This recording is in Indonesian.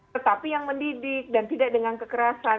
tetapi yang mendidik dan tidak dengan kekerasan